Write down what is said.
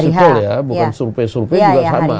ini exit poll ya bukan survei survei juga sama